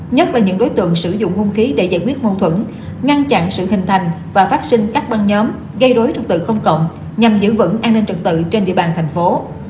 nhất là những đối tượng sử dụng hung khí để giải quyết mâu thuẫn ngăn chặn sự hình thành và phát sinh các băng nhóm gây rối trật tự công cộng nhằm giữ vững an ninh trật tự trên địa bàn thành phố